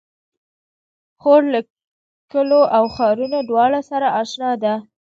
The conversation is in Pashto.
خور له کليو او ښارونو دواړو سره اشنا ده.